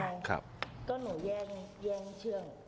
ครับ